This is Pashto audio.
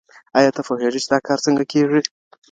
ایا ته پوهېږې چې دا کار څنګه کېږي؟